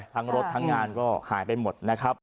ทั้งรถทั้งงานก็หายไปหมดนะครับ